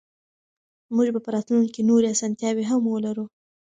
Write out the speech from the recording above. موږ به په راتلونکي کې نورې اسانتیاوې هم ولرو.